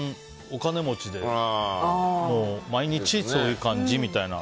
お金持ちで毎日そういう感じみたいな。